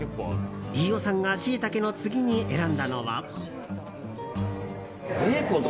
飯尾さんがシイタケの次に選んだのは。